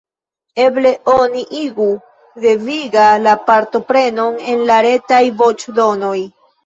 Eble oni igu deviga la partoprenon en la Retaj voĉdonoj.